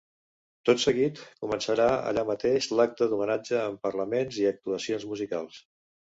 Tot seguit, començarà allà mateix l’acte d’homenatge, amb parlaments i actuacions musicals.